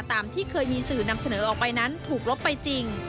ตามที่เคยมีสื่อนำเสนอออกไปนั้นถูกลบไปจริง